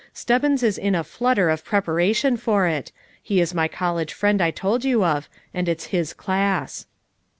Stebbins is in a flutter of preparation for it; he is my college friend I told yen of, and it's his class."